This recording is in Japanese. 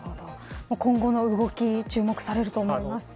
今後の動きに注目されると思います。